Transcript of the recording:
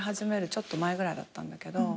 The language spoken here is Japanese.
ちょっと前ぐらいだったんだけど。